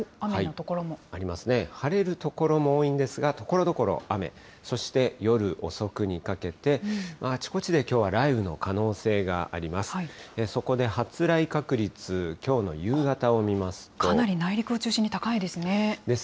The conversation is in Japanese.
ありますね、晴れる所も多いんですが、ところどころ雨、そして夜遅くにかけて、あちこちできょうは雷雨の可能性があります。